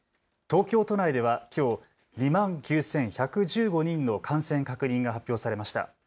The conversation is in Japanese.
東京都内ではきょう２万９１１５人の感染確認が発表されました。